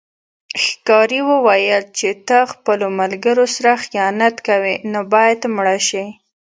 ښکاري وویل چې ته خپلو ملګرو سره خیانت کوې نو باید مړه شې.